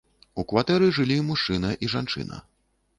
У кватэры жылі мужчына і жанчына.